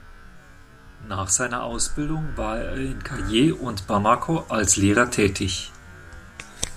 Nach seiner Ausbildung war er in Kayes und Bamako als Lehrer tätig.